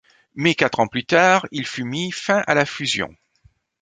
Mais quatre ans plus tard, il fut mis fin à la fusion.